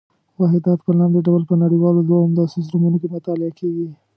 واحدات په لاندې ډول په نړیوالو دوو عمده سیسټمونو کې مطالعه کېږي.